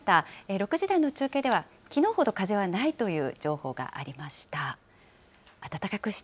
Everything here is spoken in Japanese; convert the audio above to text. ６時台の中継では、きのうほど風はないという情報がありました。